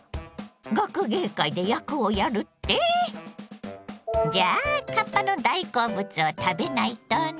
学芸会で役をやるって⁉じゃあかっぱの大好物を食べないとね。